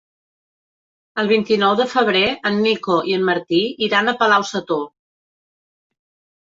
El vint-i-nou de febrer en Nico i en Martí iran a Palau-sator.